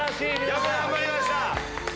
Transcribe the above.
よく頑張りました。